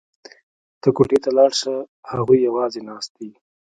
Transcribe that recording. ته کوټې ته لاړه شه هغوی یوازې ناست دي